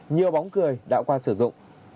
nhiều bóng cười đã qua sử dụng